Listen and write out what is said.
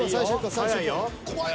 怖い。